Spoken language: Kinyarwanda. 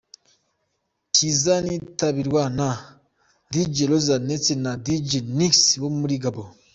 Kizanitabirwa na Dj Rojazz ndetse na Dj Nix wo muri Gabon.